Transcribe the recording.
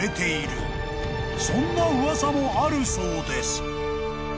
［そんな噂もあるそうです］